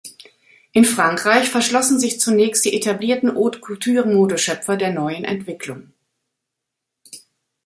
In Frankreich verschlossen sich zunächst die etablierten Haute Couture-Modeschöpfer der neuen Entwicklung.